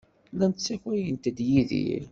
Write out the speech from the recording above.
Llant ssakayent-d Yidir.